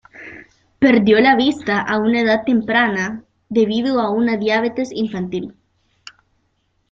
Perdió la vista a una edad temprana debido a una diabetes infantil.